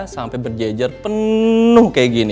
sampai berjejer penuh kayak gini